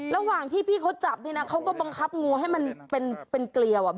ระหว่างที่พี่เขาจับเนี่ยนะเขาก็บังคับงูให้มันเป็นเกลียว